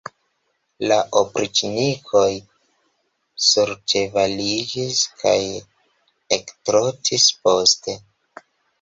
La opriĉnikoj surĉevaliĝis kaj ektrotis poste.